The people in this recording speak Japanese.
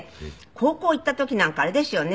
高校行った時なんかあれですよね。